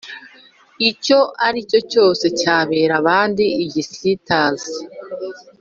icyo ari cyo cyose cyabera abandi igisitaza